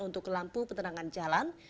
untuk lampu petenangan jalan